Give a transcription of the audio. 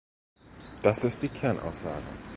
Das ist die Kernaussage.